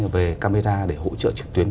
về camera để hỗ trợ trực tuyến